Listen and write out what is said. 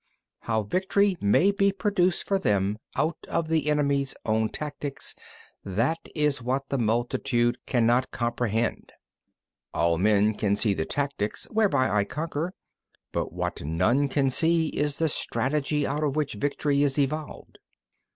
26. How victory may be produced for them out of the enemy's own tactics—that is what the multitude cannot comprehend. 27. All men can see the tactics whereby I conquer, but what none can see is the strategy out of which victory is evolved.